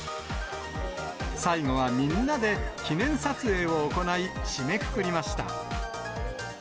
最後はみんなで記念撮影を行い、締めくくりました。